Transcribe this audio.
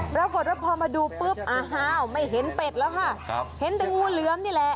ปรากฏว่าพอมาดูปุ๊บอ้าวไม่เห็นเป็ดแล้วค่ะครับเห็นแต่งูเหลือมนี่แหละ